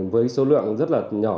với số lượng rất là nhỏ